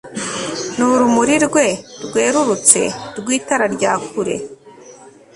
ni urumuri rwerurutse rw'itara rya kure